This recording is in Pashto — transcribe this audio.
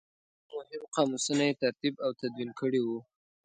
دوه مهم قاموسونه یې ترتیب او تدوین کړي وو.